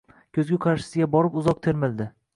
Ko`zgu qarshisiga borib uzoq termildi